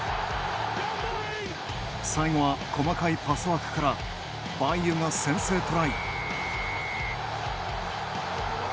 最後は細かいパスワークからバイユが先制トライ。